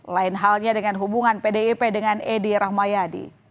lain halnya dengan hubungan pdip dengan edi rahmayadi